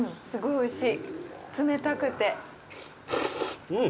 おいしい。